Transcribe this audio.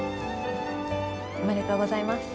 おめでとうございます。